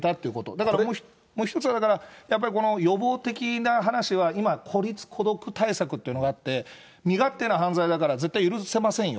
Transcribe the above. だからこれも、一つはだから、やっぱりこの予防的な話は、今、孤立孤独対策というのがあって、身勝手な犯罪だから絶対許せませんよ。